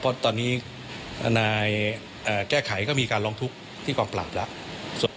เพราะตอนนี้ทนายแก้ไขก็มีการร้องทุกข์ที่กองปราบแล้ว